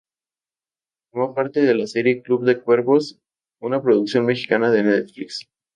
Formó parte de la Serie Club de Cuervos, una producción mexicana de Netflix.